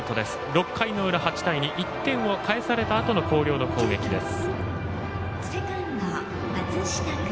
６回の裏、８対２１点を返されたあとの広陵の攻撃です。